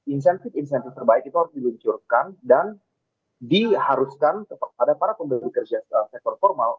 insentif insentif terbaik itu harus diluncurkan dan diharuskan kepada para pembeli kerja sektor formal